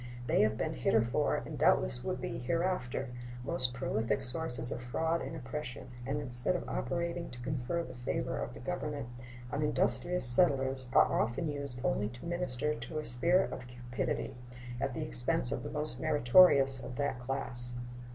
They have been heretofore, and doubtless would be hereafter, most prolific sources of fraud and oppression, and instead of operating to confer the favor of the Government on industrious settlers are often used only to minister to a spirit of cupidity at the expense of the most meritorious of that class.